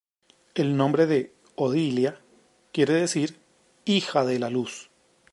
El nombre de "Odilia" quiere decir "Hija de la Luz".